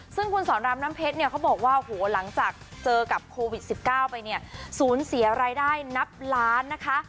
ซึ่งคุณสอนรามน้ำเพชรเนี่ยเขาบอกว่าโหหลังจากเจอกับโควิด๑๙ไปเนี่ยสูญเสียรายได้นับล้านนะคะ